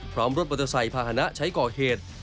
พร้อมรถประเทศไภพาหนะใช้ก่อเหตุ